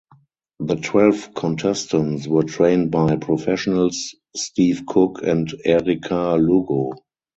The twelve contestants were trained by professionals Steve Cook and Erica Lugo.